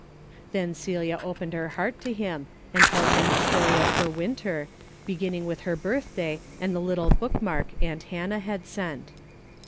'" Then Celia opened her heart to him and told him the story of her winter, beginning with her birthday and the little bookmark aunt Hannah had sent.